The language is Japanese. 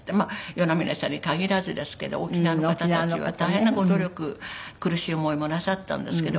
与那嶺さんに限らずですけど沖縄の方たちは大変なご努力苦しい思いもなさったんですけど。